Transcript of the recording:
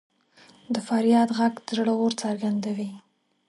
د فریاد ږغ د زړه اور څرګندوي.